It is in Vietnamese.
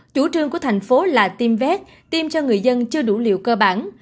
chủ trương của thành phố là tiêm vét tiêm cho người dân chưa đủ liều cơ bản